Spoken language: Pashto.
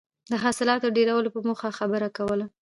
د حاصلاتو د ډېروالي په موخه خبره کوله.